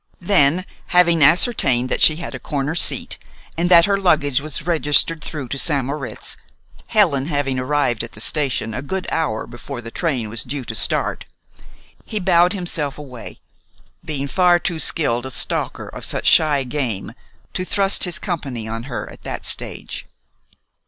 Page 38] Then, having ascertained that she had a corner seat, and that her luggage was registered through to St. Moritz (Helen having arrived at the station a good hour before the train was due to start), he bowed himself away, being far too skilled a stalker of such shy game to thrust his company on her at that stage.